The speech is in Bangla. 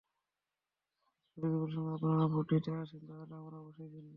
যদি বিপুল সংখ্যায় আপনারা ভোট দিতে আসেন, তাহলে আমরা অবশ্যই জিতব।